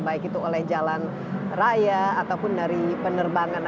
baik itu oleh jalan raya ataupun dari penerbangan